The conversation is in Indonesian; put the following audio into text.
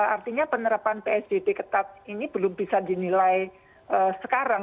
artinya penerapan psbb ketat ini belum bisa dinilai sekarang